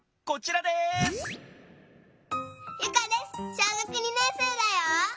小学２年生だよ。